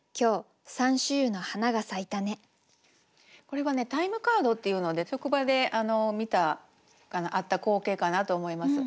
これはね「タイムカード」っていうので職場で見たあった光景かなと思います。